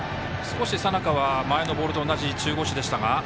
佐仲は前のボールと同じ中腰でしたが。